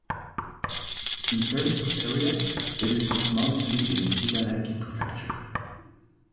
In terms of area, it is the smallest city in Ibaraki Prefecture.